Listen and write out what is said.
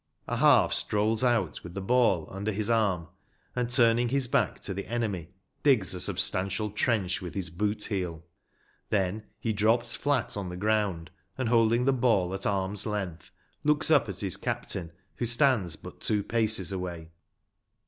A half strolls out with the ball under his arm, and, turning his back to the enemy, digs a substantial trench with his boot heel. Then he drops flat on the ground, and holding the ball at arm's length, looks up at his captain, who stands but two paces away.